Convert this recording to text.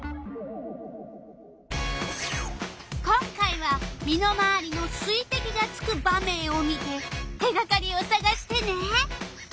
今回は身のまわりの水てきがつく場面を見て手がかりをさがしてね！